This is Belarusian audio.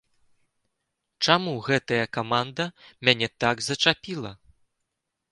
Чаму гэтая каманда мяне так зачапіла?